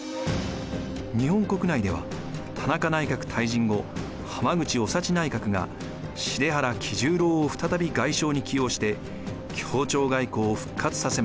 日本国内では田中内閣退陣後浜口雄幸内閣が幣原喜重郎を再び外相に起用して協調外交を復活させます。